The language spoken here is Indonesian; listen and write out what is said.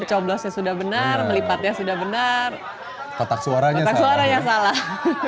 coblosnya sudah benar melipatnya sudah benar tetap suaranya salah